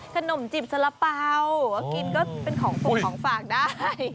ขนมจิบสละเป๋ากินก็เป็นของโปรของฝากได้